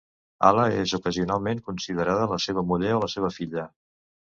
Ala és ocasionalment considerada la seva muller o la seva filla.